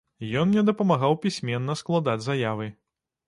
Ён мне дапамагаў пісьменна складаць заявы.